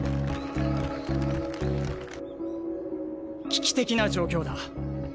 危機的な状況だ。